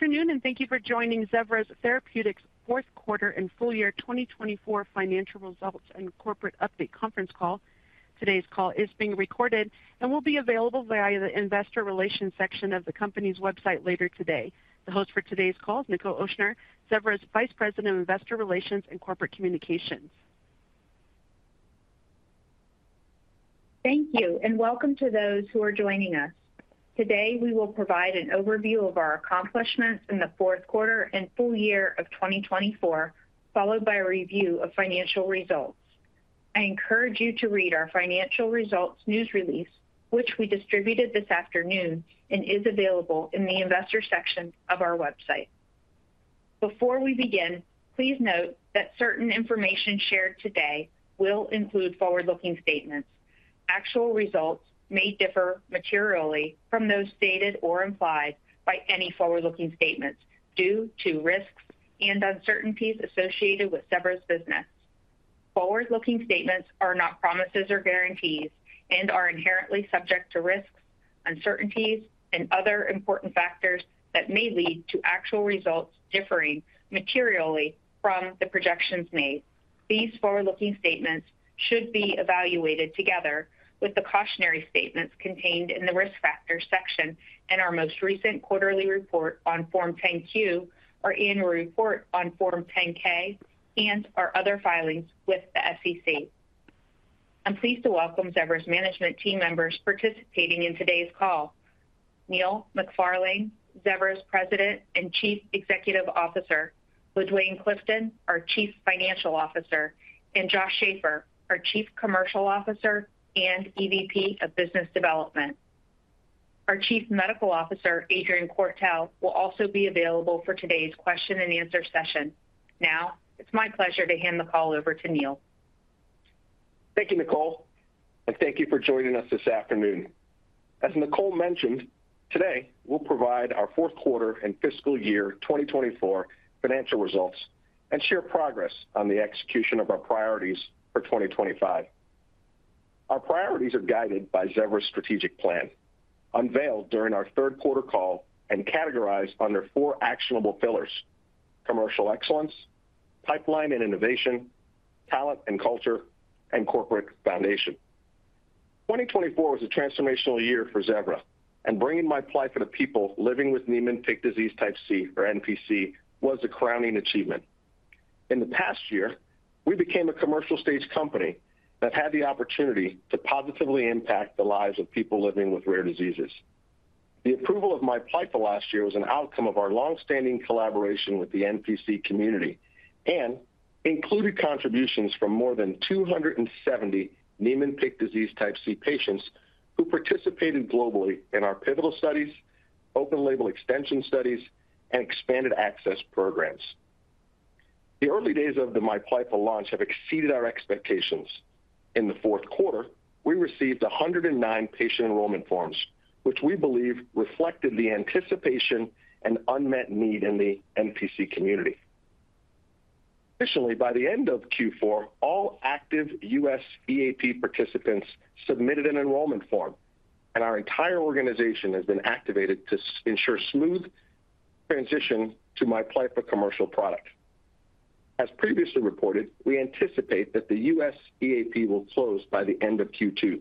Good afternoon, and thank you for joining Zevra Therapeutics' fourth quarter and full year 2024 financial results and corporate update conference call. Today's call is being recorded and will be available via the investor relations section of the company's website later today. The host for today's call is Nichol Ochsner, Zevra's Vice President of Investor Relations and Corporate Communications. Thank you, and welcome to those who are joining us. Today, we will provide an overview of our accomplishments in the fourth quarter and full year of 2024, followed by a review of financial results. I encourage you to read our financial results news release, which we distributed this afternoon and is available in the investor section of our website. Before we begin, please note that certain information shared today will include forward-looking statements. Actual results may differ materially from those stated or implied by any forward-looking statements due to risks and uncertainties associated with Zevra's business. Forward-looking statements are not promises or guarantees and are inherently subject to risks, uncertainties, and other important factors that may lead to actual results differing materially from the projections made. These forward-looking statements should be evaluated together with the cautionary statements contained in the risk factor section in our most recent quarterly report on Form 10-Q, our annual report on Form 10-K, and our other filings with the SEC. I'm pleased to welcome Zevra's management team members participating in today's call: Neil McFarlane, Zevra's President and Chief Executive Officer, LaDuane Clifton, our Chief Financial Officer, and Josh Schafer, our Chief Commercial Officer and EVP of Business Development. Our Chief Medical Officer, Adrian Quartel, will also be available for today's question-and-answer session. Now, it's my pleasure to hand the call over to Neil. Thank you, Nichol, and thank you for joining us this afternoon. As Nichol mentioned, today we'll provide our fourth quarter and fiscal year 2024 financial results and share progress on the execution of our priorities for 2025. Our priorities are guided by Zevra's strategic plan, unveiled during our third quarter call and categorized under four actionable pillars: commercial excellence, pipeline and innovation, talent and culture, and corporate foundation. 2024 was a transformational year for Zevra, and bringing Miplyffa for the people living with Niemann-Pick disease type C, or NPC, was a crowning achievement. In the past year, we became a commercial-stage company that had the opportunity to positively impact the lives of people living with rare diseases. The approval of Miplyffa last year was an outcome of our longstanding collaboration with the NPC community and included contributions from more than 270 Niemann-Pick disease type C patients who participated globally in our pivotal studies, open label extension studies, and expanded access programs. The early days of the Miplyffa launch have exceeded our expectations. In the fourth quarter, we received 109 patient enrollment forms, which we believe reflected the anticipation and unmet need in the NPC community. Additionally, by the end of Q4, all active U.S. EAP participants submitted an enrollment form, and our entire organization has been activated to ensure a smooth transition to Miplyffa commercial product. As previously reported, we anticipate that the U.S. EAP will close by the end of Q2.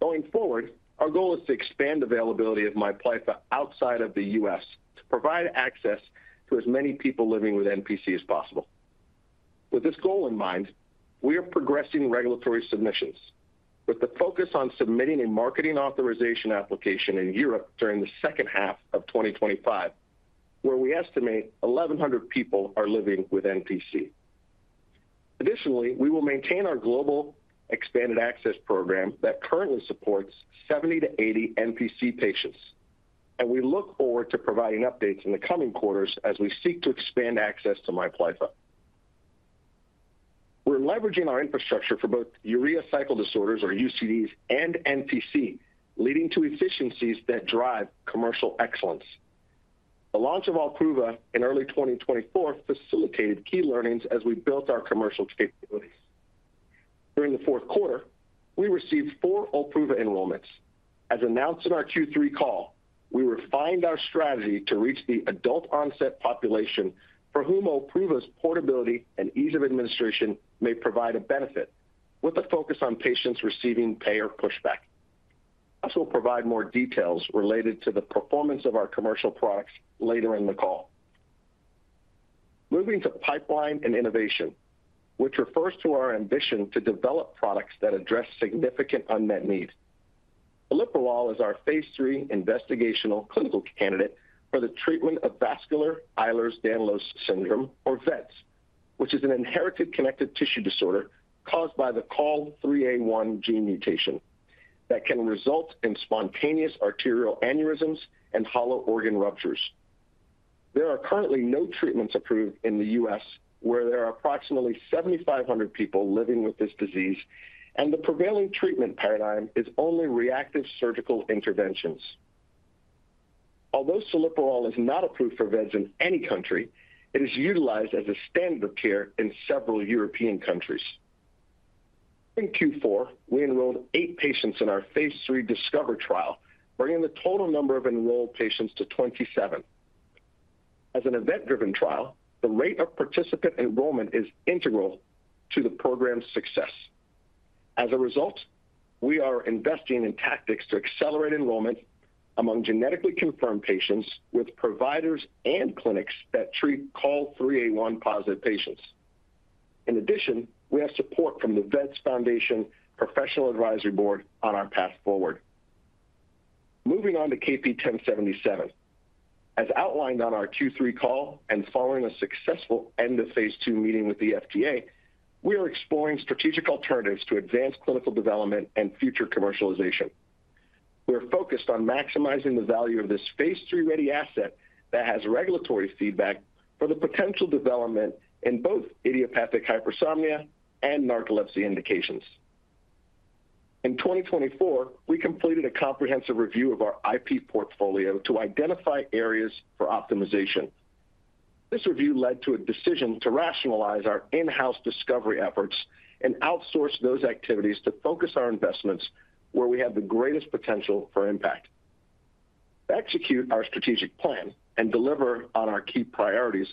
Going forward, our goal is to expand the availability of Miplyffa outside of the U.S. to provide access to as many people living with NPC as possible. With this goal in mind, we are progressing regulatory submissions with the focus on submitting a marketing authorization application in Europe during the second half of 2025, where we estimate 1,100 people are living with NPC. Additionally, we will maintain our global expanded access program that currently supports 70-80 NPC patients, and we look forward to providing updates in the coming quarters as we seek to expand access to Miplyffa. We're leveraging our infrastructure for both urea cycle disorders, or UCDs, and NPC, leading to efficiencies that drive commercial excellence. The launch of OLPRUVA in early 2024 facilitated key learnings as we built our commercial capabilities. During the fourth quarter, we received four OLPRUVA enrollments. As announced in our Q3 call, we refined our strategy to reach the adult onset population for whom OLPRUVA's portability and ease of administration may provide a benefit, with a focus on patients receiving payer pushback. I will provide more details related to the performance of our commercial products later in the call. Moving to pipeline and innovation, which refers to our ambition to develop products that address significant unmet needs. Celiprolol is our phase III investigational clinical candidate for the treatment of Vascular Ehlers-Danlos syndrome, or vEDS, which is an inherited connective tissue disorder caused by the COL3A1 gene mutation that can result in spontaneous arterial aneurysms and hollow organ ruptures. There are currently no treatments approved in the U.S., where there are approximately 7,500 people living with this disease, and the prevailing treatment paradigm is only reactive surgical interventions. Although celiprolol is not approved for vEDS in any country, it is utilized as a standard of care in several European countries. In Q4, we enrolled eight patients in our phase III DiSCOVER trial, bringing the total number of enrolled patients to 27. As an event-driven trial, the rate of participant enrollment is integral to the program's success. As a result, we are investing in tactics to accelerate enrollment among genetically confirmed patients with providers and clinics that treat COL3A1 positive patients. In addition, we have support from the vEDS Foundation Professional Advisory Board on our path forward. Moving on to KP1077. As outlined on our Q3 call and following a successful end of phase II meeting with the FDA, we are exploring strategic alternatives to advance clinical development and future commercialization. We are focused on maximizing the value of this phase III ready asset that has regulatory feedback for the potential development in both idiopathic hypersomnia and narcolepsy indications. In 2024, we completed a comprehensive review of our IP portfolio to identify areas for optimization. This review led to a decision to rationalize our in-house discovery efforts and outsource those activities to focus our investments where we have the greatest potential for impact. To execute our strategic plan and deliver on our key priorities,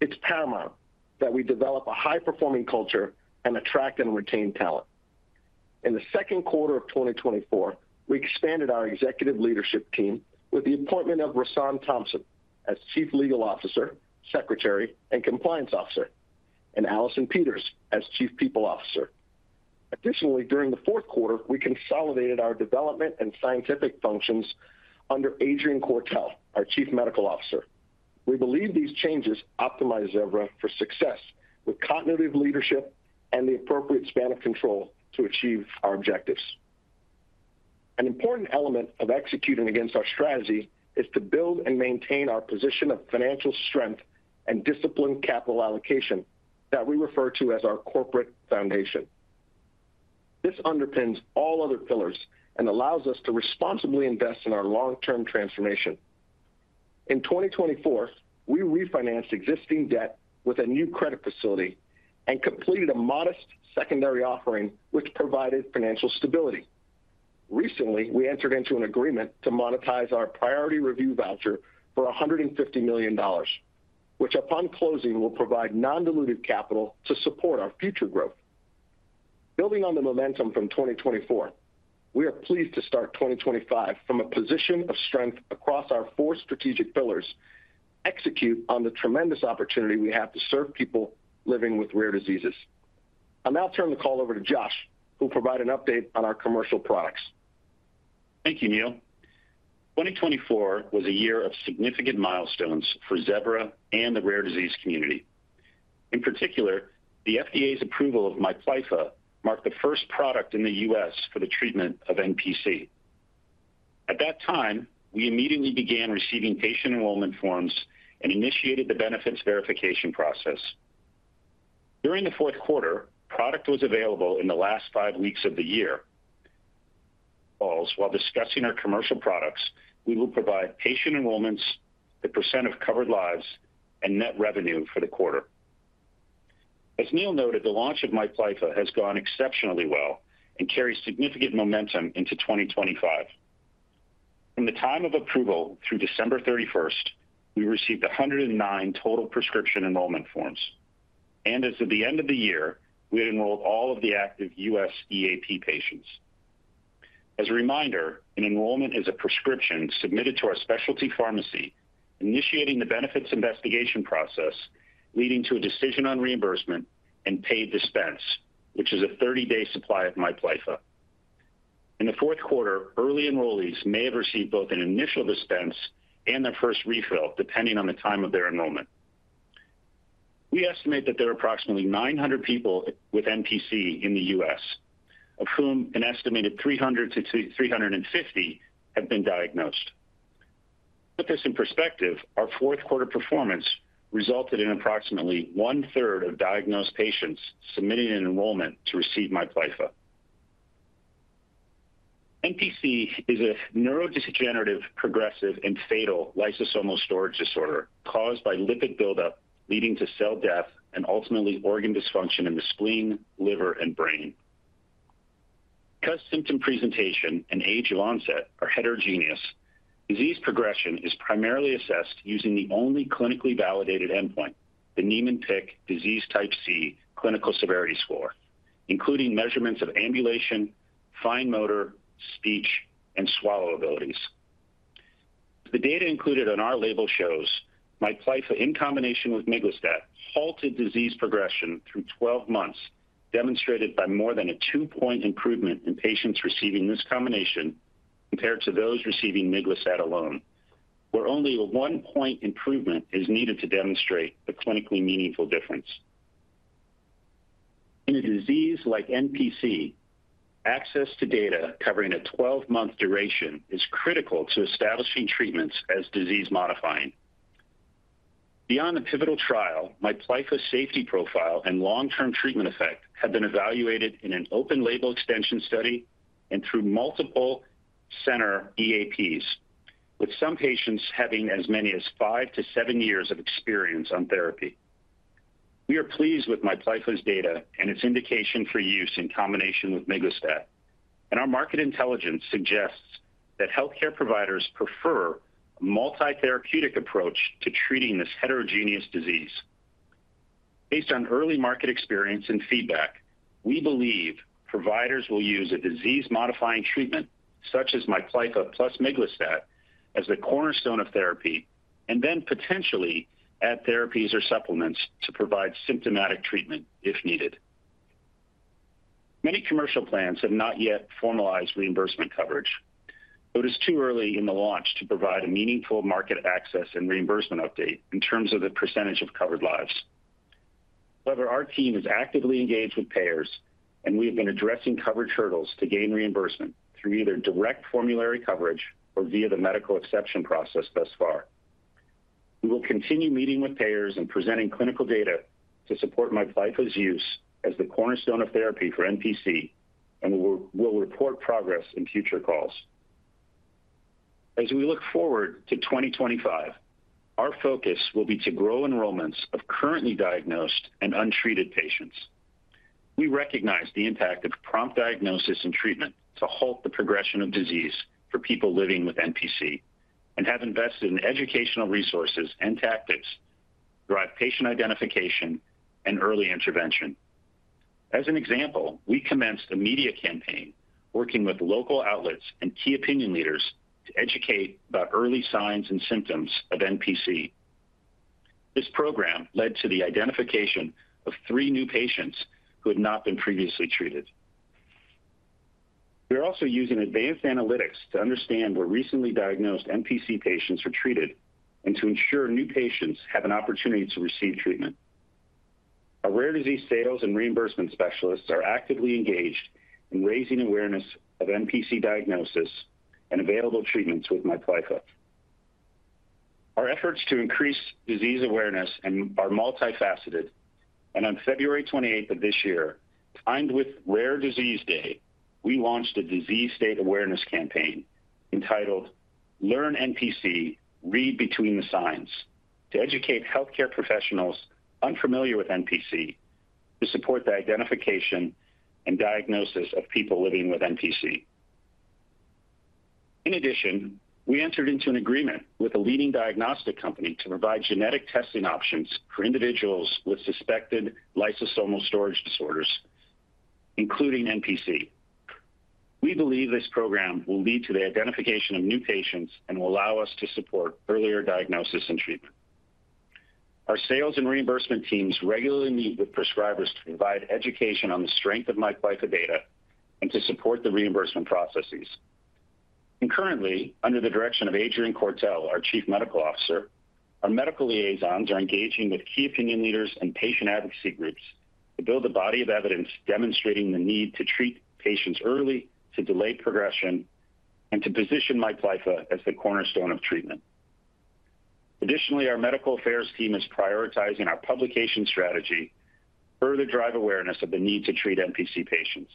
it's paramount that we develop a high-performing culture and attract and retain talent. In the second quarter of 2024, we expanded our executive leadership team with the appointment of Rahsaan Thompson as Chief Legal Officer, Secretary, and Compliance Officer, and Allison Peters as Chief People Officer. Additionally, during the fourth quarter, we consolidated our development and scientific functions under Adrian Quartel, our Chief Medical Officer. We believe these changes optimize Zevra for success with cognitive leadership and the appropriate span of control to achieve our objectives. An important element of executing against our strategy is to build and maintain our position of financial strength and disciplined capital allocation that we refer to as our corporate foundation. This underpins all other pillars and allows us to responsibly invest in our long-term transformation. In 2024, we refinanced existing debt with a new credit facility and completed a modest secondary offering, which provided financial stability. Recently, we entered into an agreement to monetize our priority review voucher for $150 million, which upon closing will provide non-dilutive capital to support our future growth. Building on the momentum from 2024, we are pleased to start 2025 from a position of strength across our four strategic pillars, execute on the tremendous opportunity we have to serve people living with rare diseases. I'll now turn the call over to Josh, who will provide an update on our commercial products. Thank you, Neil. 2024 was a year of significant milestones for Zevra and the rare disease community. In particular, the FDA's approval of Miplyffa marked the first product in the U.S. for the treatment of NPC. At that time, we immediately began receiving patient enrollment forms and initiated the benefits verification process. During the fourth quarter, product was available in the last five weeks of the year. While discussing our commercial products, we will provide patient enrollments, the percent of covered lives, and net revenue for the quarter. As Neil noted, the launch of Miplyffa has gone exceptionally well and carries significant momentum into 2025. From the time of approval through December 31st, we received 109 total prescription enrollment forms, and as of the end of the year, we had enrolled all of the active U.S. EAP patients. As a reminder, an enrollment is a prescription submitted to our specialty pharmacy, initiating the benefits investigation process, leading to a decision on reimbursement and paid dispense, which is a 30-day supply of Miplyffa. In the fourth quarter, early enrollees may have received both an initial dispense and their first refill, depending on the time of their enrollment. We estimate that there are approximately 900 people with NPC in the U.S., of whom an estimated 300-350 have been diagnosed. To put this in perspective, our fourth quarter performance resulted in approximately one-third of diagnosed patients submitting an enrollment to receive Miplyffa. NPC is a neurodegenerative, progressive, and fatal lysosomal storage disorder caused by lipid buildup, leading to cell death and ultimately organ dysfunction in the spleen, liver, and brain. Because symptom presentation and age of onset are heterogeneous, disease progression is primarily assessed using the only clinically validated endpoint, the Niemann-Pick Disease Type C Clinical Severity Score, including measurements of ambulation, fine motor, speech, and swallow abilities. The data included on our label shows Miplyffa in combination with miglustat halted disease progression through 12 months, demonstrated by more than a two-point improvement in patients receiving this combination compared to those receiving miglustat alone, where only a one-point improvement is needed to demonstrate the clinically meaningful difference. In a disease like NPC, access to data covering a 12-month duration is critical to establishing treatments as disease-modifying. Beyond the pivotal trial, Miplyffa safety profile and long-term treatment effect have been evaluated in an open label extension study and through multiple center EAPs, with some patients having as many as five to seven years of experience on therapy. We are pleased with Miplyffa's data and its indication for use in combination with miglustat, and our market intelligence suggests that healthcare providers prefer a multi-therapeutic approach to treating this heterogeneous disease. Based on early market experience and feedback, we believe providers will use a disease-modifying treatment such as Miplyffa plus miglustat as the cornerstone of therapy and then potentially add therapies or supplements to provide symptomatic treatment if needed. Many commercial plans have not yet formalized reimbursement coverage, but it is too early in the launch to provide a meaningful market access and reimbursement update in terms of the percentage of covered lives. However, our team is actively engaged with payers, and we have been addressing coverage hurdles to gain reimbursement through either direct formulary coverage or via the medical exception process thus far. We will continue meeting with payers and presenting clinical data to support Miplyffa's use as the cornerstone of therapy for NPC, and we will report progress in future calls. As we look forward to 2025, our focus will be to grow enrollments of currently diagnosed and untreated patients. We recognize the impact of prompt diagnosis and treatment to halt the progression of disease for people living with NPC and have invested in educational resources and tactics to drive patient identification and early intervention. As an example, we commenced a media campaign working with local outlets and key opinion leaders to educate about early signs and symptoms of NPC. This program led to the identification of three new patients who had not been previously treated. We are also using advanced analytics to understand where recently diagnosed NPC patients are treated and to ensure new patients have an opportunity to receive treatment. Our rare disease sales and reimbursement specialists are actively engaged in raising awareness of NPC diagnosis and available treatments with Miplyffa. Our efforts to increase disease awareness are multifaceted, and on February 28th of this year, timed with Rare Disease Day, we launched a disease state awareness campaign entitled "Learn NPC, Read Between the Signs" to educate healthcare professionals unfamiliar with NPC to support the identification and diagnosis of people living with NPC. In addition, we entered into an agreement with a leading diagnostic company to provide genetic testing options for individuals with suspected lysosomal storage disorders, including NPC. We believe this program will lead to the identification of new patients and will allow us to support earlier diagnosis and treatment. Our sales and reimbursement teams regularly meet with prescribers to provide education on the strength of Miplyffa data and to support the reimbursement processes. Currently, under the direction of Adrian Quartel, our Chief Medical Officer, our medical liaisons are engaging with key opinion leaders and patient advocacy groups to build a body of evidence demonstrating the need to treat patients early, to delay progression, and to position Miplyffa as the cornerstone of treatment. Additionally, our medical affairs team is prioritizing our publication strategy to further drive awareness of the need to treat NPC patients.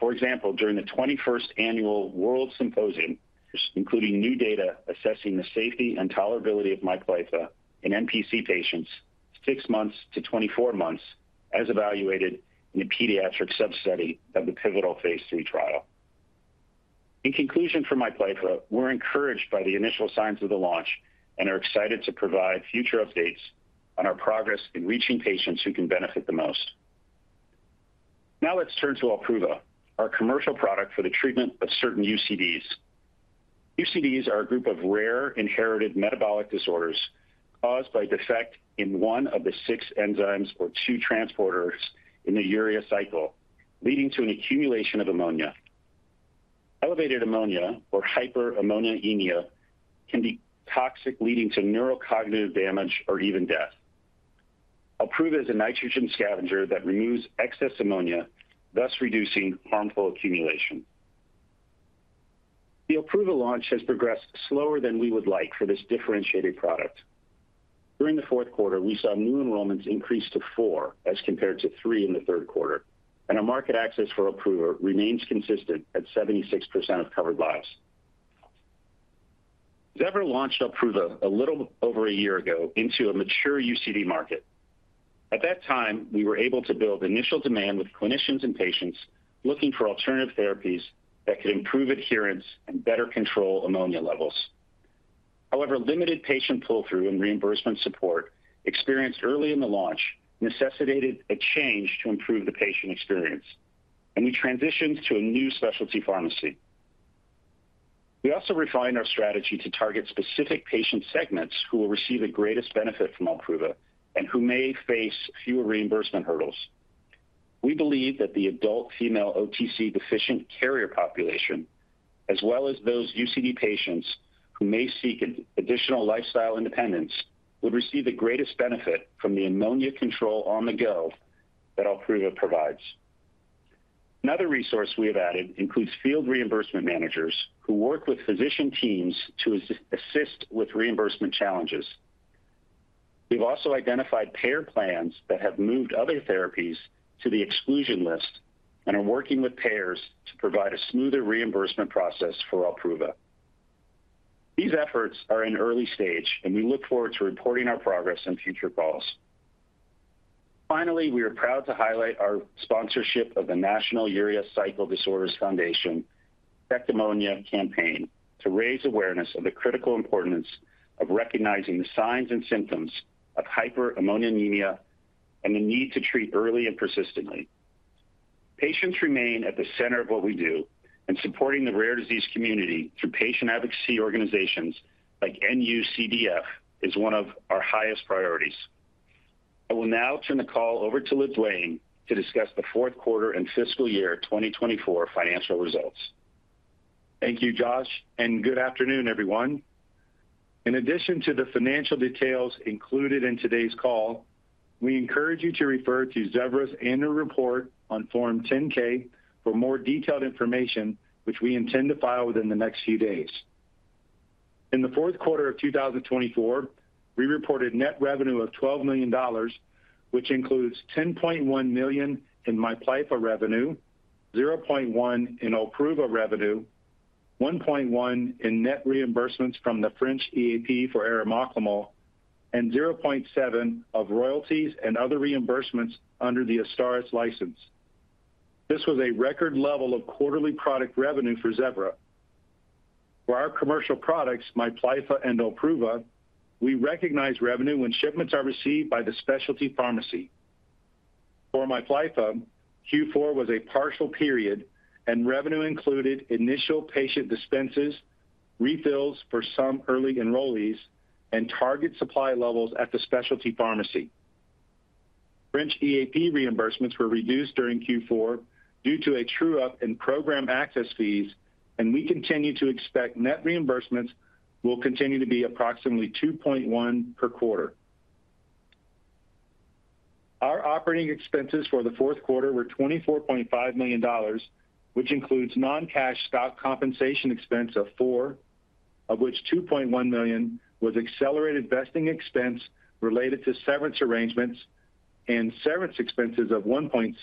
For example, during the 21st annual World Symposium, including new data assessing the safety and tolerability of Miplyffa in NPC patients, 6-24 months as evaluated in a pediatric substudy of the pivotal phase III trial. In conclusion for Miplyffa, we're encouraged by the initial signs of the launch and are excited to provide future updates on our progress in reaching patients who can benefit the most. Now let's turn to OLPRUVA, our commercial product for the treatment of certain UCDs. UCDs are a group of rare inherited metabolic disorders caused by defect in one of the six enzymes or two transporters in the urea cycle, leading to an accumulation of ammonia. Elevated ammonia or hyperammonemia can be toxic, leading to neurocognitive damage or even death. OLPRUVA is a nitrogen scavenger that removes excess ammonia, thus reducing harmful accumulation. The OLPRUVA launch has progressed slower than we would like for this differentiated product. During the fourth quarter, we saw new enrollments increase to four as compared to three in the third quarter, and our market access for OLPRUVA remains consistent at 76% of covered lives. Zevra launched OLPRUVA a little over a year ago into a mature UCD market. At that time, we were able to build initial demand with clinicians and patients looking for alternative therapies that could improve adherence and better control ammonia levels. However, limited patient pull-through and reimbursement support experienced early in the launch necessitated a change to improve the patient experience, and we transitioned to a new specialty pharmacy. We also refined our strategy to target specific patient segments who will receive the greatest benefit from OLPRUVA and who may face fewer reimbursement hurdles. We believe that the adult female OTC deficient carrier population, as well as those UCD patients who may seek additional lifestyle independence, would receive the greatest benefit from the ammonia control on the go that OLPRUVA provides. Another resource we have added includes field reimbursement managers who work with physician teams to assist with reimbursement challenges. We've also identified payer plans that have moved other therapies to the exclusion list and are working with payers to provide a smoother reimbursement process for OLPRUVA. These efforts are in early stage, and we look forward to reporting our progress in future calls. Finally, we are proud to highlight our sponsorship of the National Urea Cycle Disorders Foundation's Check Ammonia campaign to raise awareness of the critical importance of recognizing the signs and symptoms of hyperammonemia and the need to treat early and persistently. Patients remain at the center of what we do, and supporting the rare disease community through patient advocacy organizations like NUCDF is one of our highest priorities. I will now turn the call over to LaDuane to discuss the fourth quarter and fiscal year 2024 financial results. Thank you, Josh, and good afternoon, everyone. In addition to the financial details included in today's call, we encourage you to refer to Zevra's annual report on Form 10-K for more detailed information, which we intend to file within the next few days. In the fourth quarter of 2024, we reported net revenue of $12 million, which includes $10.1 million in Miplyffa revenue, $0.1 million in OLPRUVA revenue, $1.1 million in net reimbursements from the French expanded access program for Miplyffa, and $0.7 million of royalties and other reimbursements under the Astellas license. This was a record level of quarterly product revenue for Zevra. For our commercial products, Miplyffa and OLPRUVA, we recognize revenue when shipments are received by the specialty pharmacy. For Miplyffa, Q4 was a partial period, and revenue included initial patient dispenses, refills for some early enrollees, and target supply levels at the specialty pharmacy. French expanded access program reimbursements were reduced during Q4 due to a true-up in program access fees, and we continue to expect net reimbursements will continue to be approximately $2.1 million per quarter. Our operating expenses for the fourth quarter were $24.5 million, which includes non-cash stock compensation expense of $4 million, of which $2.1 million was accelerated vesting expense related to severance arrangements and severance expenses of $1.6 million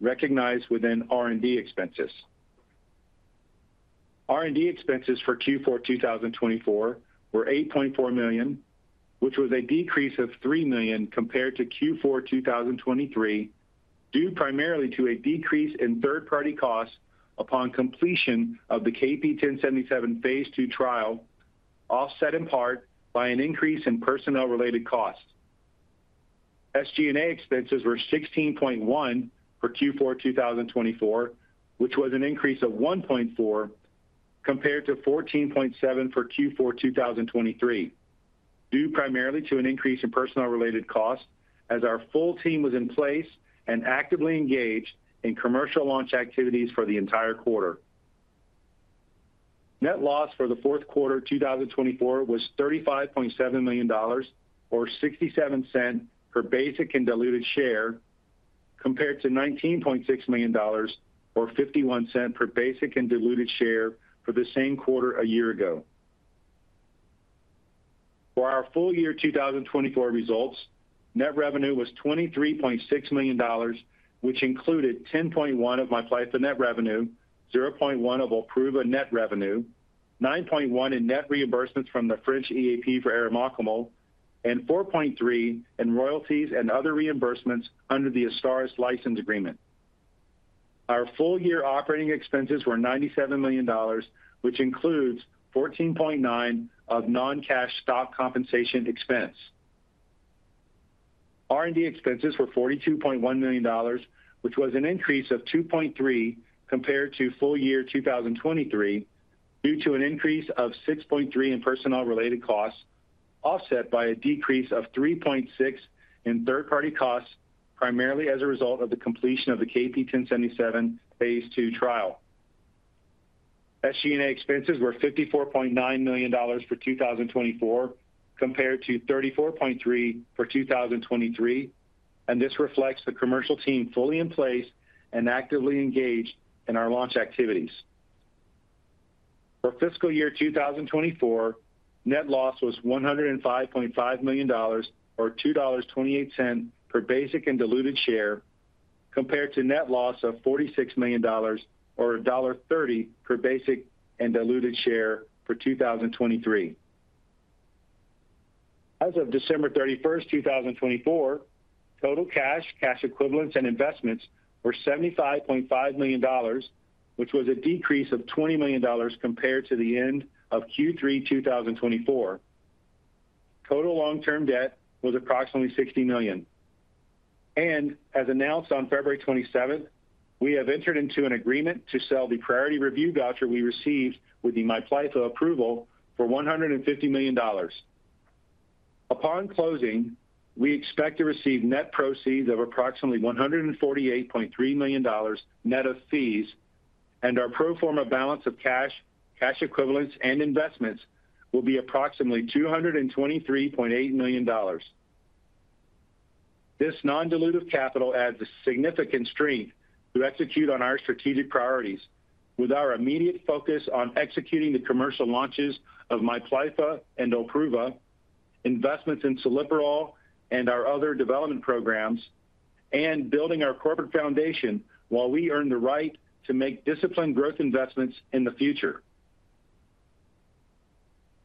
recognized within R&D expenses. R&D expenses for Q4 2024 were $8.4 million, which was a decrease of $3 million compared to Q4 2023, due primarily to a decrease in third-party costs upon completion of the KP1077 phase II trial, offset in part by an increase in personnel-related costs. SG&A expenses were $16.1 million for Q4 2024, which was an increase of $1.4 million compared to $14.7 million for Q4 2023, due primarily to an increase in personnel-related costs as our full team was in place and actively engaged in commercial launch activities for the entire quarter. Net loss for the fourth quarter 2024 was $35.7 million or $0.67 per basic and diluted share compared to $19.6 million or $0.51 per basic and diluted share for the same quarter a year ago. For our full year 2024 results, net revenue was $23.6 million, which included $10.1 million of Miplyffa net revenue, $0.1 million of OLPRUVA net revenue, $9.1 million in net reimbursements from the French expanded access program for Miplyffa, and $4.3 million in royalties and other reimbursements under the Astellas license agreement. Our full year operating expenses were $97 million, which includes $14.9 million of non-cash stock compensation expense. R&D expenses were $42.1 million, which was an increase of $2.3 million compared to full year 2023 due to an increase of $6.3 million in personnel-related costs, offset by a decrease of $3.6 million in third-party costs, primarily as a result of the completion of the KP1077 phase II trial. SG&A expenses were $54.9 million for 2024 compared to $34.3 million for 2023, and this reflects the commercial team fully in place and actively engaged in our launch activities. For fiscal year 2024, net loss was $105.5 million or $2.28 per basic and diluted share compared to net loss of $46 million or $1.30 per basic and diluted share for 2023. As of December 31st, 2024, total cash, cash equivalents, and investments were $75.5 million, which was a decrease of $20 million compared to the end of Q3 2024. Total long-term debt was approximately $60 million. As announced on February 27th, we have entered into an agreement to sell the priority review voucher we received with the Miplyffa approval for $150 million. Upon closing, we expect to receive net proceeds of approximately $148.3 million net of fees, and our pro forma balance of cash, cash equivalents, and investments will be approximately $223.8 million. This non-dilutive capital adds a significant strength to execute on our strategic priorities, with our immediate focus on executing the commercial launches of Miplyffa and OLPRUVA, investments in celiprolol and our other development programs, and building our corporate foundation while we earn the right to make disciplined growth investments in the future.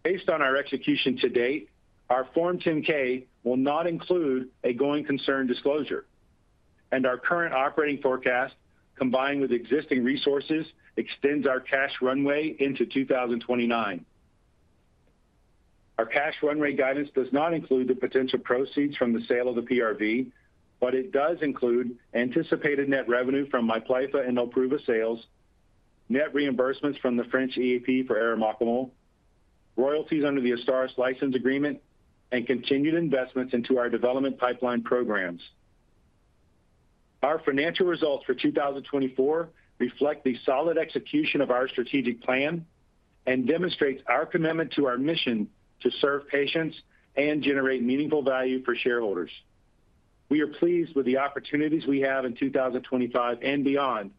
Based on our execution to date, our Form 10-K will not include a going concern disclosure, and our current operating forecast, combined with existing resources, extends our cash runway into 2029. Our cash runway guidance does not include the potential proceeds from the sale of the PRV, but it does include anticipated net revenue from Miplyffa and OLPRUVA sales, net reimbursements from the French expanded access program for celiprolol, royalties under the Astellas license agreement, and continued investments into our development pipeline programs. Our financial results for 2024 reflect the solid execution of our strategic plan and demonstrate our commitment to our mission to serve patients and generate meaningful value for shareholders. We are pleased with the opportunities we have in 2025 and beyond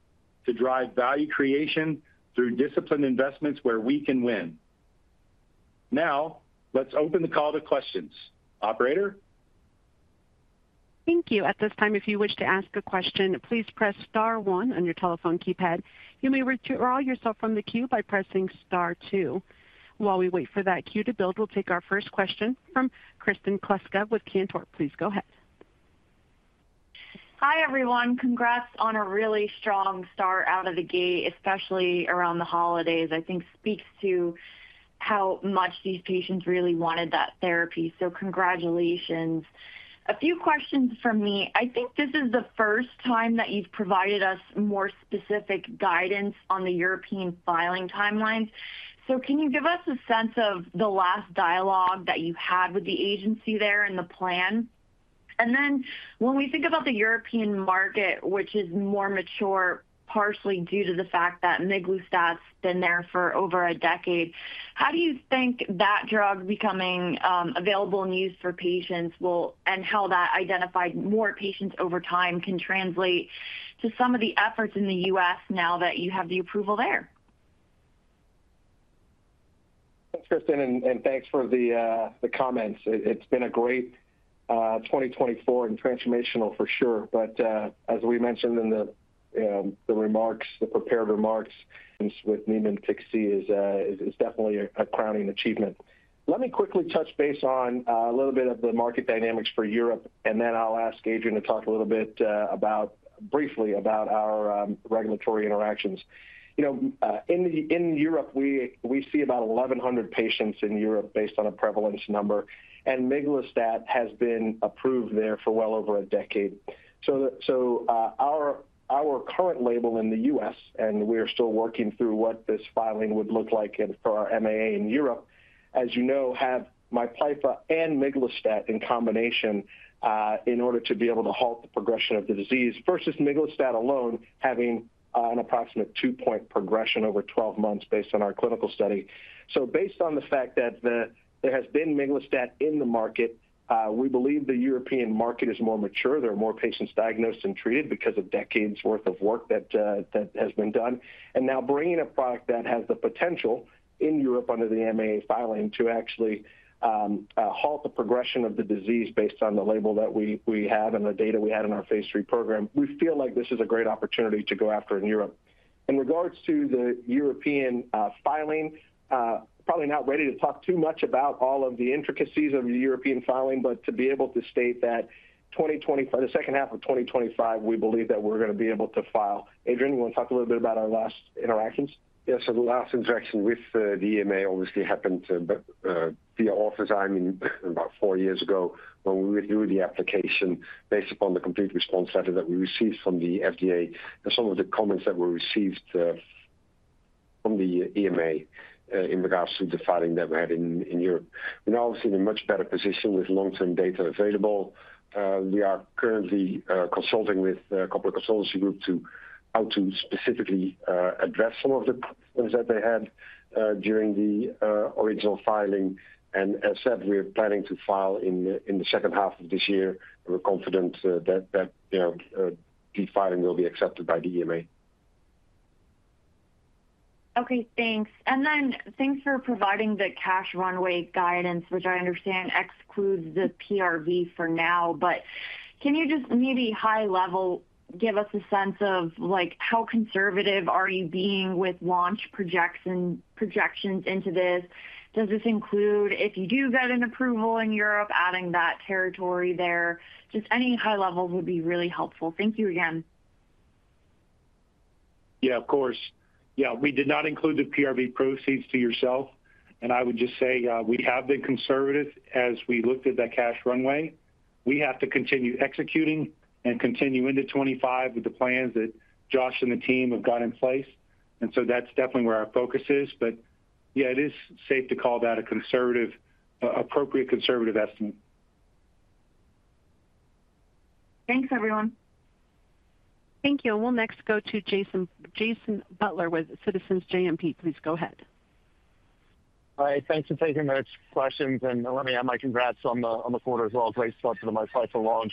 to drive value creation through disciplined investments where we can win. Now, let's open the call to questions. Operator? Thank you. At this time, if you wish to ask a question, please press star one on your telephone keypad. You may withdraw yourself from the queue by pressing star two. While we wait for that queue to build, we'll take our first question from Kristen Kluska with Cantor. Please go ahead. Hi, everyone. Congrats on a really strong start out of the gate, especially around the holidays. I think it speaks to how much these patients really wanted that therapy. So congratulations. A few questions from me. I think this is the first time that you've provided us more specific guidance on the European filing timelines. Can you give us a sense of the last dialogue that you had with the agency there and the plan? When we think about the European market, which is more mature, partially due to the fact that miglustat's been there for over a decade, how do you think that drug becoming available and used for patients will, and how that identified more patients over time can translate to some of the efforts in the U.S. now that you have the approval there? Thanks, Kristen, and thanks for the comments. It's been a great 2024 and transformational for sure. As we mentioned in the prepared remarks, with Niemann-Pick is definitely a crowning achievement. Let me quickly touch base on a little bit of the market dynamics for Europe, and then I'll ask Adrian to talk a little bit briefly about our regulatory interactions. In Europe, we see about 1,100 patients in Europe based on a prevalence number, and miglustat has been approved there for well over a decade. Our current label in the U.S., and we are still working through what this filing would look like for our MAA in Europe, as you know, have Miplyffa and miglustat in combination in order to be able to halt the progression of the disease versus miglustat alone having an approximate two-point progression over 12 months based on our clinical study. Based on the fact that there has been miglustat in the market, we believe the European market is more mature. There are more patients diagnosed and treated because of decades' worth of work that has been done. Now bringing a product that has the potential in Europe under the MAA filing to actually halt the progression of the disease based on the label that we have and the data we had in our phase III program, we feel like this is a great opportunity to go after in Europe. In regards to the European filing, probably not ready to talk too much about all of the intricacies of the European filing, but to be able to state that the second half of 2025, we believe that we're going to be able to file. Adrian, you want to talk a little bit about our last interactions? Yes. The last interaction with the EMA obviously happened via Orphazyme about four years ago when we reviewed the application based upon the complete response letter that we received from the FDA and some of the comments that were received from the EMA in regards to the filing that we had in Europe. We are now obviously in a much better position with long-term data available. We are currently consulting with a corporate consultancy group to how to specifically address some of the problems that they had during the original filing. As said, we are planning to file in the second half of this year. We are confident that the filing will be accepted by the EMA. Okay, thanks. Thanks for providing the cash runway guidance, which I understand excludes the PRV for now. But can you just maybe high-level give us a sense of how conservative are you being with launch projections into this? Does this include if you do get an approval in Europe, adding that territory there? Just any high level would be really helpful. Thank you again. Yeah, of course. Yeah, we did not include the PRV proceeds to yourself. I would just say we have been conservative as we looked at that cash runway. We have to continue executing and continue into 2025 with the plans that Josh and the team have got in place. That is definitely where our focus is. Yeah, it is safe to call that a conservative, appropriate conservative estimate. Thanks, everyone. Thank you. We'll next go to Jason Butler with Citizens JMP. Please go ahead. Hi, thanks for taking my questions. Let me add my congrats on the quarter as well as late start to the Miplyffa launch.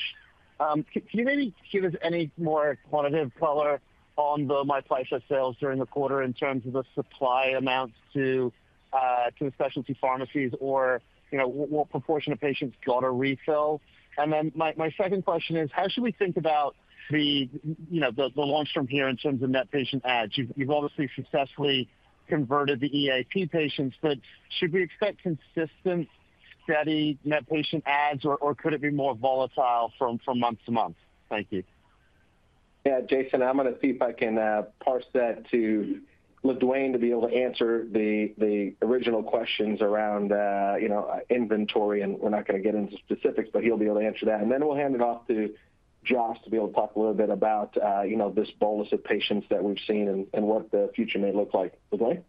Can you maybe give us any more quantitative color on the Miplyffa sales during the quarter in terms of the supply amounts to the specialty pharmacies or what proportion of patients got a refill? My second question is, how should we think about the launch from here in terms of net patient adds? You've obviously successfully converted the EAP patients, but should we expect consistent, steady net patient adds, or could it be more volatile from month to month? Thank you. Yeah, Jason, I'm going to see if I can parse that to LaDuane to be able to answer the original questions around inventory. We're not going to get into specifics, but he'll be able to answer that. Then we'll hand it off to Josh to be able to talk a little bit about this bolus of patients that we've seen and what the future may look like. LaDuane?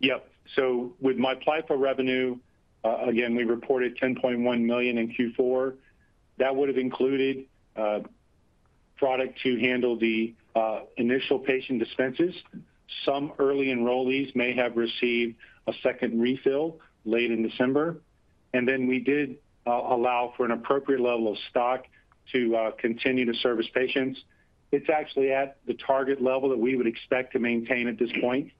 Yep. With Miplyffa revenue, again, we reported $10.1 million in Q4. That would have included product to handle the initial patient dispenses. Some early enrollees may have received a second refill late in December. We did allow for an appropriate level of stock to continue to service patients. It's actually at the target level that we would expect to maintain at this point.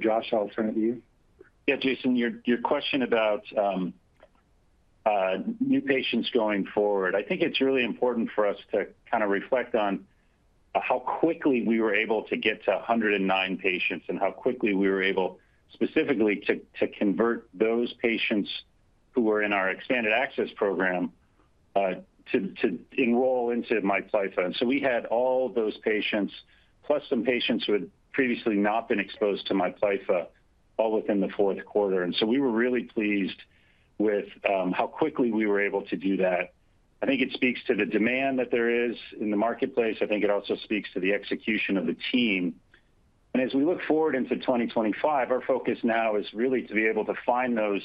Josh, I'll turn it to you. Yeah, Jason, your question about new patients going forward, I think it's really important for us to kind of reflect on how quickly we were able to get to 109 patients and how quickly we were able specifically to convert those patients who were in our expanded access program to enroll into Miplyffa. We had all those patients, plus some patients who had previously not been exposed to Miplyffa, all within the fourth quarter. We were really pleased with how quickly we were able to do that. I think it speaks to the demand that there is in the marketplace. I think it also speaks to the execution of the team. As we look forward into 2025, our focus now is really to be able to find those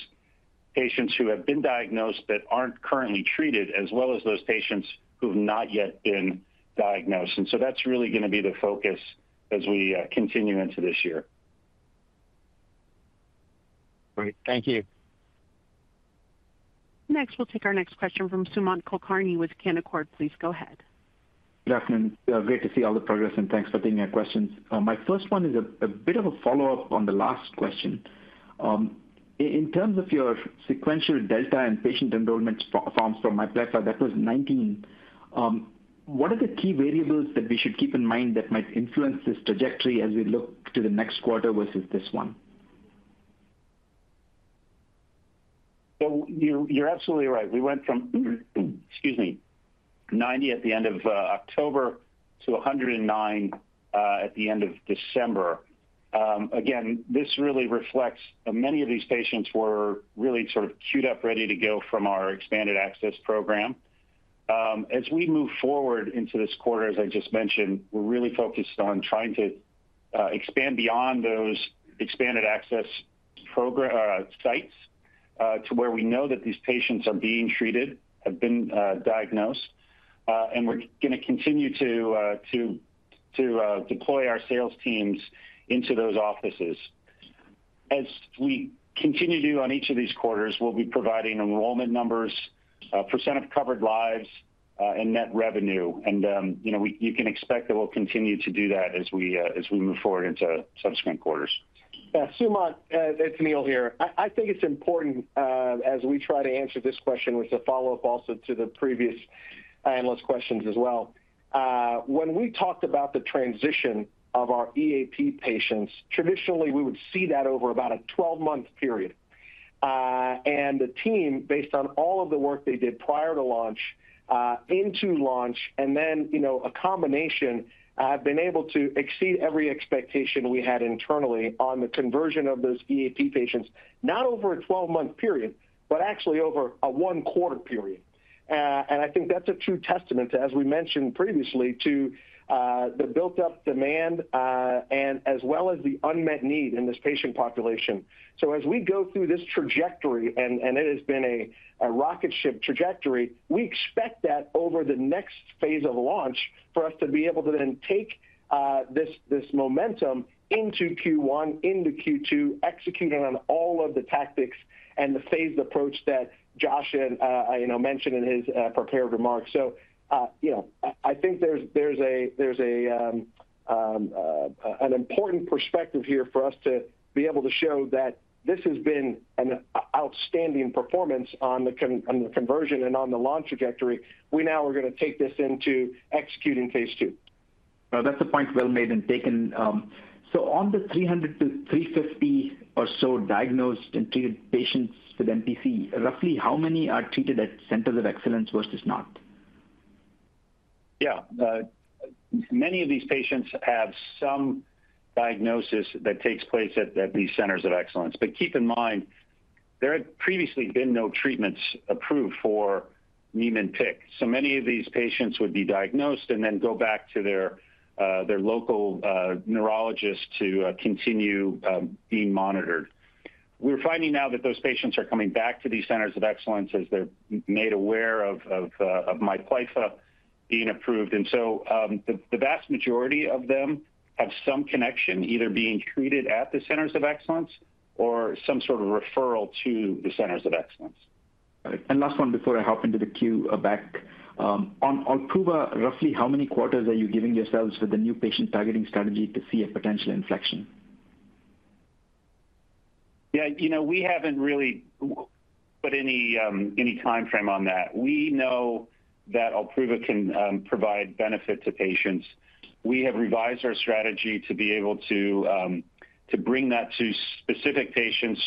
patients who have been diagnosed but aren't currently treated as well as those patients who have not yet been diagnosed. That is really going to be the focus as we continue into this year. Great. Thank you. Next, we'll take our next question from Sumant Kulkarni with Canaccord. Please go ahead. Good afternoon. Great to see all the progress and thanks for taking our questions. My first one is a bit of a follow-up on the last question. In terms of your sequential delta and patient enrollment forms for Miplyffa, that was 19. What are the key variables that we should keep in mind that might influence this trajectory as we look to the next quarter versus this one? You're absolutely right. We went from, excuse me, 90 at the end of October to 109 at the end of December. Again, this really reflects many of these patients were really sort of queued up, ready to go from our expanded access program. As we move forward into this quarter, as I just mentioned, we're really focused on trying to expand beyond those expanded access sites to where we know that these patients are being treated, have been diagnosed. We are going to continue to deploy our sales teams into those offices. As we continue to do on each of these quarters, we'll be providing enrollment numbers, percent of covered lives, and net revenue. You can expect that we'll continue to do that as we move forward into subsequent quarters. Yeah, Sumant, it's Neil here. I think it's important as we try to answer this question, which is a follow-up also to the previous analyst questions as well. When we talked about the transition of our EAP patients, traditionally, we would see that over about a 12-month period. The team, based on all of the work they did prior to launch, into launch, and then a combination, have been able to exceed every expectation we had internally on the conversion of those EAP patients, not over a 12-month period, but actually over a one-quarter period. I think that's a true testament, as we mentioned previously, to the built-up demand and as well as the unmet need in this patient population. As we go through this trajectory, and it has been a rocket ship trajectory, we expect that over the next phase of launch for us to be able to then take this momentum into Q1, into Q2, executing on all of the tactics and the phased approach that Josh mentioned in his prepared remarks. I think there's an important perspective here for us to be able to show that this has been an outstanding performance on the conversion and on the launch trajectory. We now are going to take this into executing phase II. That's a point well made and taken. On the 300-350 or so diagnosed and treated patients with NPC, roughly how many are treated at centers of excellence versus not? Yeah. Many of these patients have some diagnosis that takes place at these centers of excellence. Keep in mind, there had previously been no treatments approved for Niemann-Pick. Many of these patients would be diagnosed and then go back to their local neurologist to continue being monitored. We're finding now that those patients are coming back to these centers of excellence as they're made aware of Miplyffa being approved. The vast majority of them have some connection, either being treated at the centers of excellence or some sort of referral to the centers of excellence. Last one before I hop into the queue back. On OLPRUVA, roughly how many quarters are you giving yourselves with the new patient targeting strategy to see a potential inflection? We haven't really put any timeframe on that. We know that OLPRUVA can provide benefit to patients. We have revised our strategy to be able to bring that to specific patients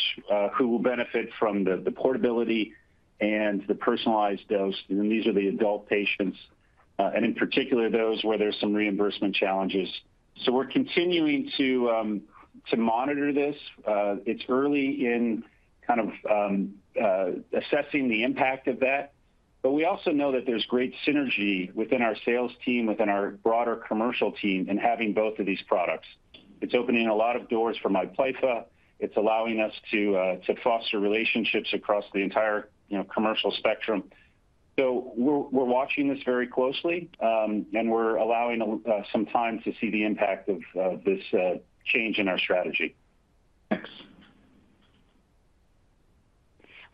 who will benefit from the portability and the personalized dose. These are the adult patients, and in particular, those where there are some reimbursement challenges. We are continuing to monitor this. It is early in kind of assessing the impact of that. We also know that there is great synergy within our sales team, within our broader commercial team, in having both of these products. It is opening a lot of doors for Miplyffa. It is allowing us to foster relationships across the entire commercial spectrum. We are watching this very closely, and we are allowing some time to see the impact of this change in our strategy. Thanks.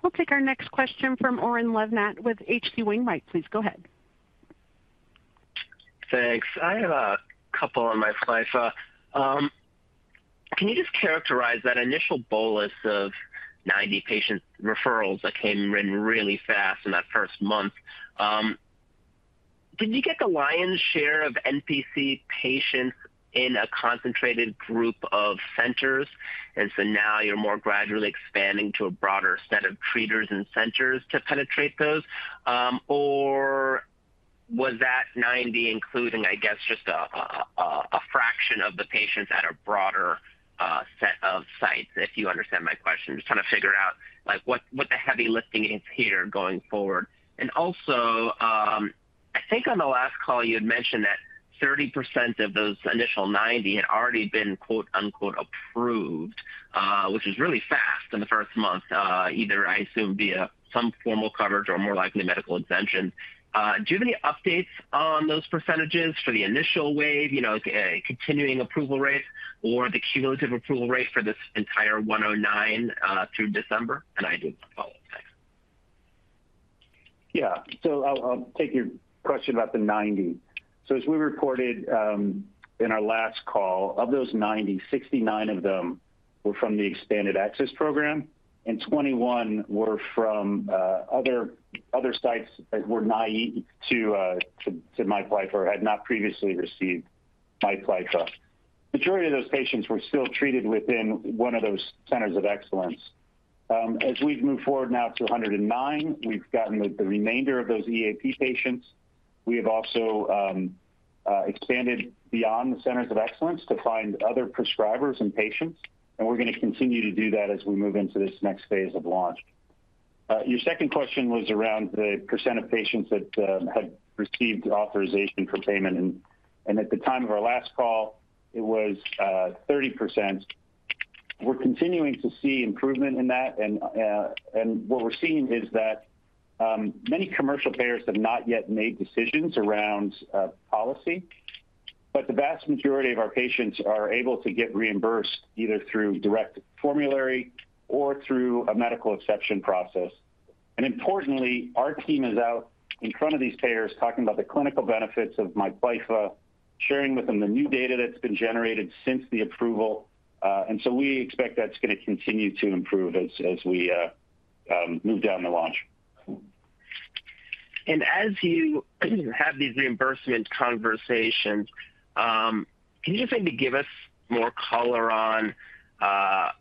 We will take our next question from Oren Livnat with H.C. Wainwright. Please go ahead. Thanks. I have a couple on Miplyffa. Can you just characterize that initial bolus of 90 patient referrals that came in really fast in that first month? Did you get the lion's share of NPC patients in a concentrated group of centers? You are more gradually expanding to a broader set of treaters and centers to penetrate those. Was that 90 including, I guess, just a fraction of the patients at a broader set of sites, if you understand my question? Just trying to figure out what the heavy lifting is here going forward. Also, I think on the last call, you had mentioned that 30% of those initial 90 had already been "approved," which was really fast in the first month, either, I assume, via some formal coverage or more likely medical exemption. Do you have any updates on those percentages for the initial wave, continuing approval rate, or the cumulative approval rate for this entire 109 through December? I do have a follow-up. Thanks. Yeah. I'll take your question about the 90. As we reported in our last call, of those 90, 69 of them were from the expanded access program, and 21 were from other sites that were naive to Miplyffa, had not previously received Miplyffa. The majority of those patients were still treated within one of those centers of excellence. As we've moved forward now to 109, we've gotten the remainder of those EAP patients. We have also expanded beyond the centers of excellence to find other prescribers and patients. We're going to continue to do that as we move into this next phase of launch. Your second question was around the percent of patients that had received authorization for payment. At the time of our last call, it was 30%. We're continuing to see improvement in that. What we're seeing is that many commercial payers have not yet made decisions around policy, but the vast majority of our patients are able to get reimbursed either through direct formulary or through a medical exception process. Importantly, our team is out in front of these payers talking about the clinical benefits of Miplyffa, sharing with them the new data that's been generated since the approval. We expect that's going to continue to improve as we move down the launch. As you have these reimbursement conversations, can you just maybe give us more color on how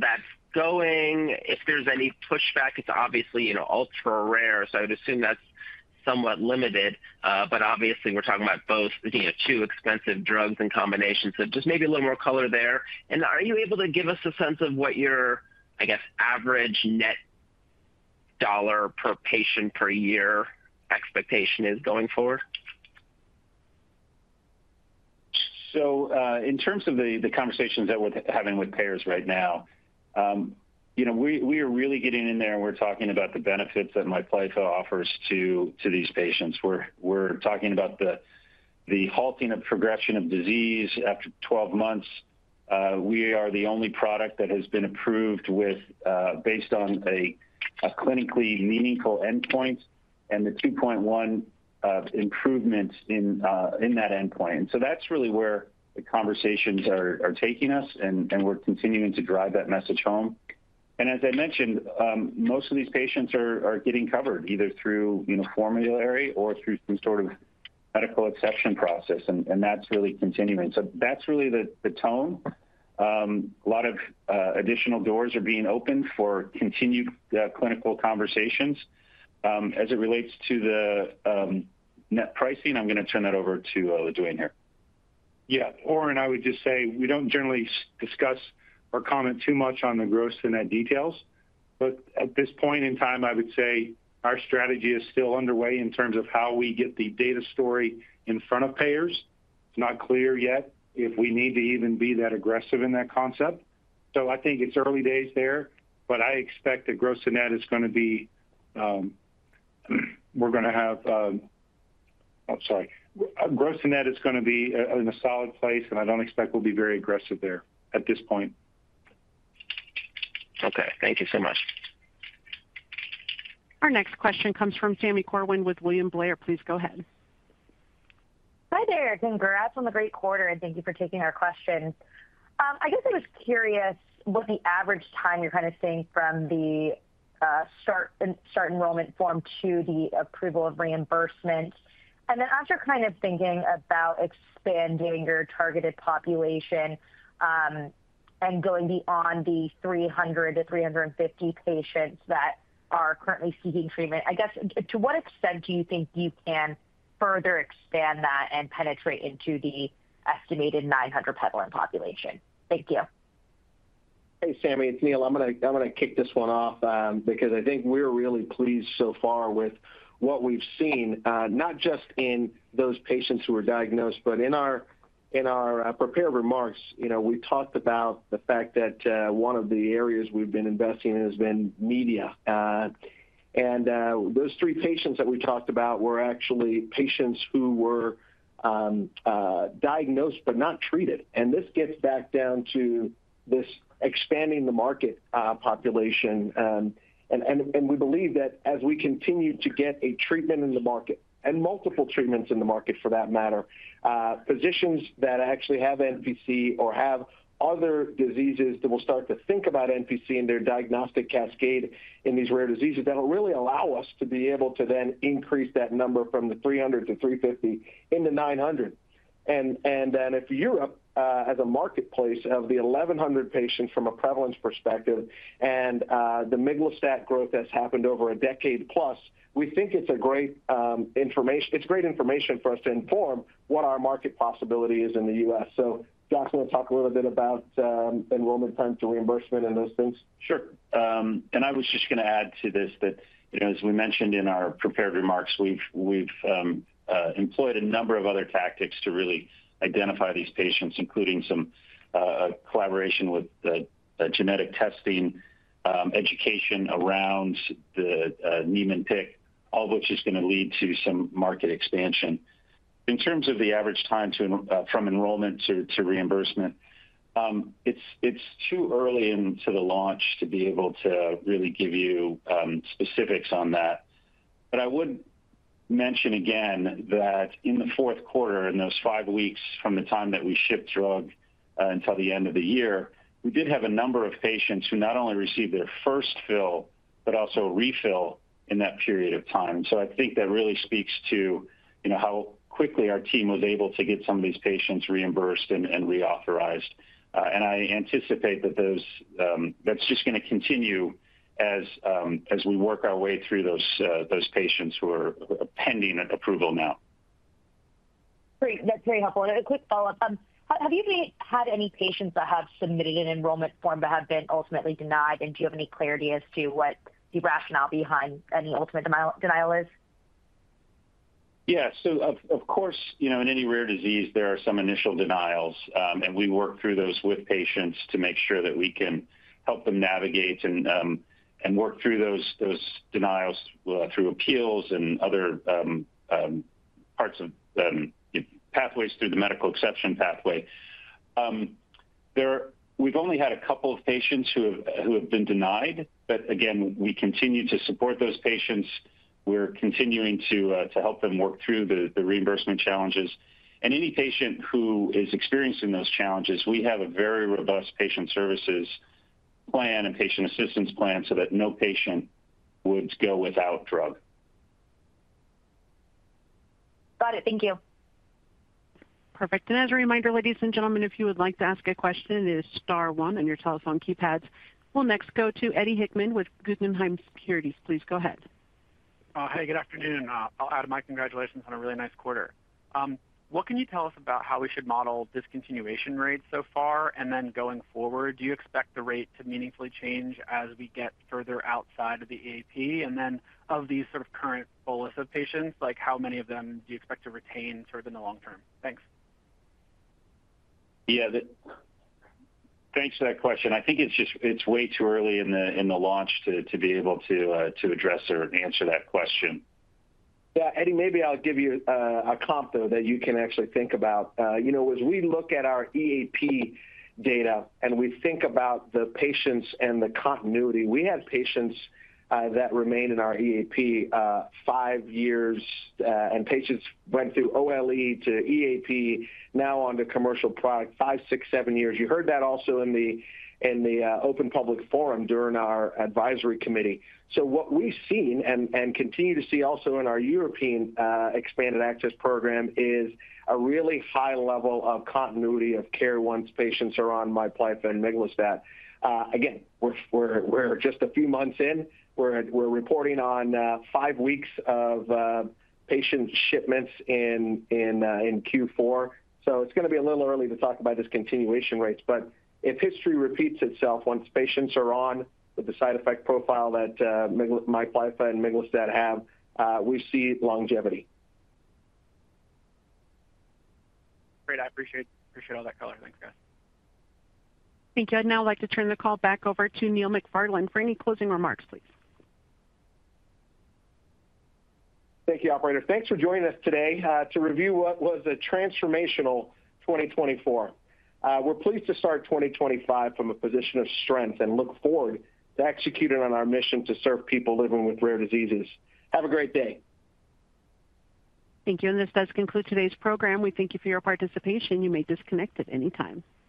that's going? If there's any pushback, it's obviously ultra rare. I would assume that's somewhat limited. Obviously, we're talking about both too expensive drugs in combination. Just maybe a little more color there. Are you able to give us a sense of what your, I guess, average net dollar per patient per year expectation is going forward? In terms of the conversations that we're having with payers right now, we are really getting in there and we're talking about the benefits that Miplyffa offers to these patients. We're talking about the halting of progression of disease after 12 months. We are the only product that has been approved based on a clinically meaningful endpoint and the 2.1 improvements in that endpoint. That's really where the conversations are taking us, and we're continuing to drive that message home. As I mentioned, most of these patients are getting covered either through formulary or through some sort of medical exception process. That is really continuing. That is really the tone. A lot of additional doors are being opened for continued clinical conversations. As it relates to the net pricing, I am going to turn that over to LaDuane here. Yeah. Orin, I would just say we do not generally discuss or comment too much on the gross and net details. At this point in time, I would say our strategy is still underway in terms of how we get the data story in front of payers. It is not clear yet if we need to even be that aggressive in that concept. I think it is early days there, but I expect that gross and net is going to be—we are going to have, oh, sorry. Gross and net is going to be in a solid place, and I don't expect we'll be very aggressive there at this point. Okay. Thank you so much. Our next question comes from Sami Corwin with William Blair. Please go ahead. Hi there. Congrats on the great quarter, and thank you for taking our question. I guess I was curious what the average time you're kind of seeing from the start enrollment form to the approval of reimbursement. And then as you're kind of thinking about expanding your targeted population and going beyond the 300-350 patients that are currently seeking treatment, I guess, to what extent do you think you can further expand that and penetrate into the estimated 900-patient population? Thank you. Hey, Sami. It's Neil. I'm going to kick this one off because I think we're really pleased so far with what we've seen, not just in those patients who were diagnosed, but in our prepared remarks. We talked about the fact that one of the areas we've been investing in has been media. Those three patients that we talked about were actually patients who were diagnosed but not treated. This gets back down to this expanding the market population. We believe that as we continue to get a treatment in the market, and multiple treatments in the market for that matter, physicians that actually have NPC or have other diseases will start to think about NPC in their diagnostic cascade in these rare diseases. That'll really allow us to be able to then increase that number from the 300-350 into 900. If Europe has a marketplace of the 1,100 patients from a prevalence perspective and the miglustat growth that has happened over a decade plus, we think it is great information. It is great information for us to inform what our market possibility is in the U.S. Josh, you want to talk a little bit about enrollment time to reimbursement and those things? Sure. I was just going to add to this that, as we mentioned in our prepared remarks, we have employed a number of other tactics to really identify these patients, including some collaboration with genetic testing education around the Niemann-Pick, all of which is going to lead to some market expansion. In terms of the average time from enrollment to reimbursement, it is too early into the launch to be able to really give you specifics on that. I would mention again that in the fourth quarter, in those five weeks from the time that we shipped drug until the end of the year, we did have a number of patients who not only received their first fill, but also refill in that period of time. I think that really speaks to how quickly our team was able to get some of these patients reimbursed and reauthorized. I anticipate that that's just going to continue as we work our way through those patients who are pending approval now. Great. That's very helpful. A quick follow-up. Have you had any patients that have submitted an enrollment form but have been ultimately denied? Do you have any clarity as to what the rationale behind any ultimate denial is? Yeah. Of course, in any rare disease, there are some initial denials. We work through those with patients to make sure that we can help them navigate and work through those denials through appeals and other parts of pathways through the medical exception pathway. We've only had a couple of patients who have been denied, but again, we continue to support those patients. We're continuing to help them work through the reimbursement challenges. Any patient who is experiencing those challenges, we have a very robust patient services plan and patient assistance plan so that no patient would go without drug. Got it. Thank you. Perfect. As a reminder, ladies and gentlemen, if you would like to ask a question, it is star one on your telephone keypads. We'll next go to Eddie Hickman with Guggenheim Securities. Please go ahead. Hey, good afternoon. I'll add my congratulations on a really nice quarter. What can you tell us about how we should model discontinuation rates so far and then going forward? Do you expect the rate to meaningfully change as we get further outside of the EAP? Of these sort of current bolus of patients, how many of them do you expect to retain sort of in the long term? Thanks. Yeah. Thanks for that question. I think it's way too early in the launch to be able to address or answer that question. Yeah. Eddie, maybe I'll give you a comp though that you can actually think about. As we look at our EAP data and we think about the patients and the continuity, we had patients that remained in our EAP five years, and patients went through OLE to EAP, now onto commercial product five, six, seven years. You heard that also in the open public forum during our advisory committee. What we've seen and continue to see also in our European expanded access program is a really high level of continuity of care once patients are on Miplyffa and miglustat. Again, we're just a few months in. We're reporting on five weeks of patient shipments in Q4. It is going to be a little early to talk about discontinuation rates. If history repeats itself once patients are on, with the side effect profile that Miplyffa and miglustat have, we see longevity. Great. I appreciate all that color. Thanks, guys. Thank you. I'd now like to turn the call back over to Neil McFarlane for any closing remarks, please. Thank you, operator. Thanks for joining us today to review what was a transformational 2024. We're pleased to start 2025 from a position of strength and look forward to executing on our mission to serve people living with rare diseases. Have a great day. Thank you. This does conclude today's program. We thank you for your participation. You may disconnect at any time.